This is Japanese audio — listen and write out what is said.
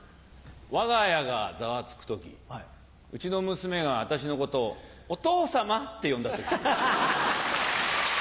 わが家がざわつく時うちの娘が私のことを「お父さま」って呼んだ時。